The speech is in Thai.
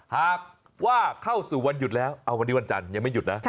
หากว่าเข้าสู่วันหยุดแล้วเอาวันนี้วันจันทร์ยังไม่หยุดนะ